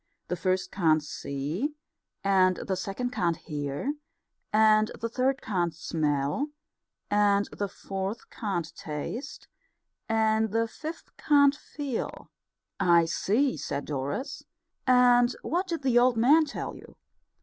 The first can't see, and the second can't hear, and the third can't smell, and the fourth can't taste, and the fifth can't feel." "I see," said Doris. "And what did the old man tell you?"